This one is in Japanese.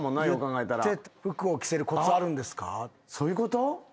そういうこと？